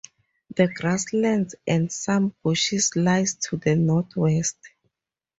The grasslands and some bushes lies to the northwest.